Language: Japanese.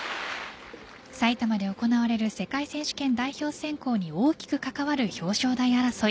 さいたまで行われる世界選手権代表選考に大きく関わる表彰台争い。